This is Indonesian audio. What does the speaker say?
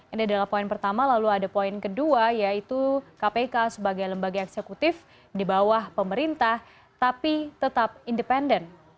ini adalah poin pertama lalu ada poin kedua yaitu kpk sebagai lembaga eksekutif di bawah pemerintah tapi tetap independen